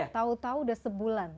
tau tau udah sebulan